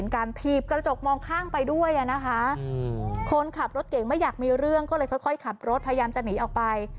ก็ค่อยขับรถพยายามจะหนีออกไป